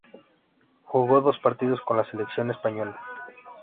Jugó dos partidos con la selección española.